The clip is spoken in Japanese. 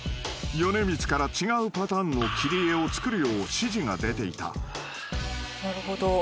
［米光から違うパターンの切り絵を作るよう指示が出ていた］